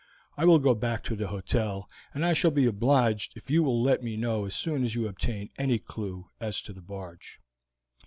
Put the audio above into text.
I will go back to the hotel, and I shall be obliged if you will let me know as soon as you obtain any clew as to the barge."